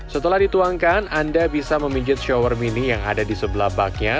setelah dituangkan anda bisa meminjat shower mini yang ada di sebelah baknya